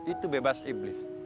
itu bebas iblis